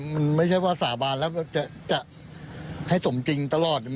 มันไม่ใช่ว่าสาบานแล้วจะให้สมจริงตลอด